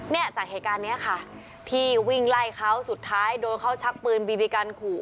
เนี่ยจากเหตุการณ์นี้ค่ะที่วิ่งไล่เขาสุดท้ายโดนเขาชักปืนบีบีกันขู่